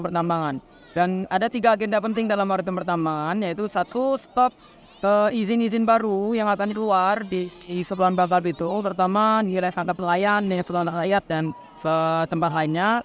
pertama nilai tangga pelayan nilai pelayanan layak dan tempat lainnya